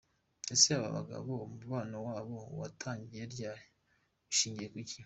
Ese aba bagabo umubano wabo watangiye ryari?ushingiye kuki?.